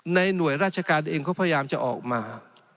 หน่วยราชการเองก็พยายามจะออกมา